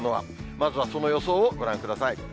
まずはその予想をご覧ください。